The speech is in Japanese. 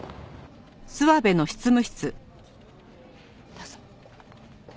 どうぞ。